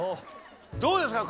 どうですか？